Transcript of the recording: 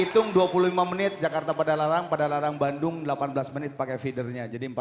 tuhan yang terindah yang terhampa